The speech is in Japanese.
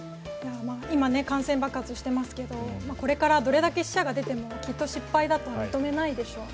今、感染爆発していますがこれからどれだけ死者が出てもきっと失敗だとは認めないでしょうね。